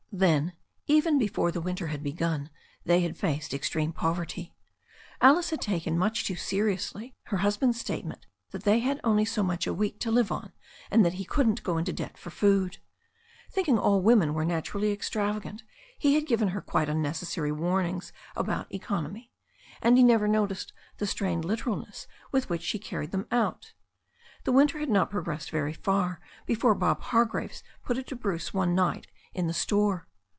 Then, even before the winter had begun, they had faced extreme poverty. Alice had taken much too seriously her husband's statement that they had only so much a week to live on, and that he couldn't go into debt for food. Think ing all women were naturally extravagant, he had given her quite unnecessary warnings about economy, and he never noticed the strained literalness with which she carried them out. The winter had not progressed very far before Bob Har graves put it to Bruce one night in the store.